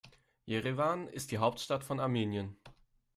Jerewan ist die Hauptstadt von Armenien.